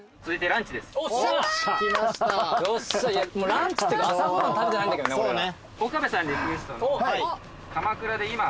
ランチっていうか朝ご飯食べてないんだけど俺ら。